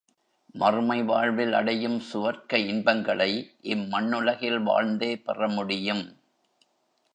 மறுமை வாழ்வில் அடையும் சுவர்க்க இன்பங்களை இம் மண்ணுலகில் வாழ்ந்தே பெறமுடியும்.